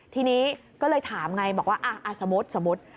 ทีนี้ก็เลยถามไงบอกว่าสมมุติ